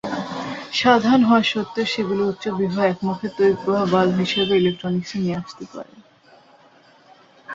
সাধারণ হওয়া সত্ত্বেও সেগুলি উচ্চ বিভবের একমুখী তড়িৎ প্রবাহ ভালভ হিসাবে ইলেকট্রনিক্স এ নিয়ে আসতে পারে।